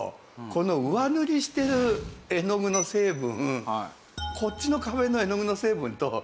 この上塗りしてる絵の具の成分こっちの壁の絵の具の成分と違くね？